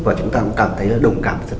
và chúng ta cũng cảm thấy đồng cảm